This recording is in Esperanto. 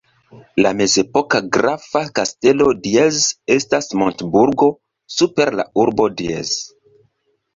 La mezepoka grafa kastelo Diez estas montburgo super la urbo Diez.